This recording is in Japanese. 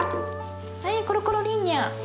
はいコロコロリーニャ。